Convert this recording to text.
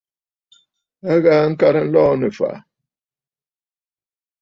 A ghaa ŋkarə nlɔɔ nɨ̂ ɨ̀fàʼà.